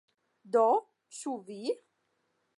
Do, ĉu vi?